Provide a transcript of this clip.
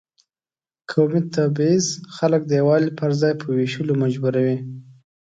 قومي تبعیض خلک د یووالي پر ځای په وېشلو مجبوروي.